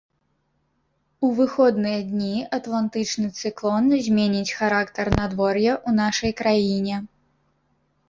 У выходныя дні атлантычны цыклон зменіць характар надвор'я ў нашай краіне.